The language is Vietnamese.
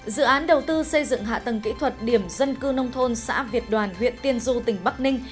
dự án đầu tư xây dựng hạ tầng kỹ thuật điểm dân cư nông thôn xã việt đoàn huyện tiên du tỉnh bắc ninh